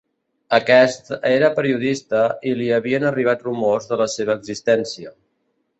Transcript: Aquest era periodista i li havien arribat rumors de la seva existència.